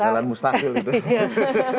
nah itu jalan mustahil gitu